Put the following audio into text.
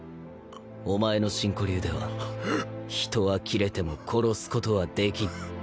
お前の真古流では人は斬れても殺すことはできん。